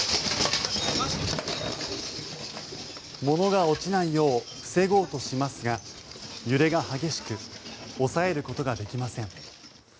物が落ちないよう防ごうとしますが揺れが激しく押さえることができません。